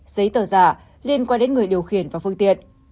giấy tờ giả liên quan đến người điều khiển và phương tiện